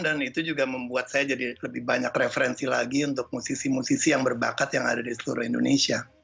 dan itu juga membuat saya jadi lebih banyak referensi lagi untuk musisi musisi yang berbakat yang ada di seluruh indonesia